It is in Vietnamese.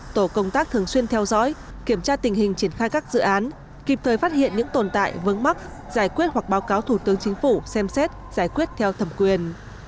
tổ công tác thường xuyên theo dõi kiểm tra tình hình triển khai các dự án kịp thời phát hiện những tồn tại vướng mắc giải quyết hoặc báo cáo thủ tướng chính phủ xem xét giải quyết theo thẩm quyền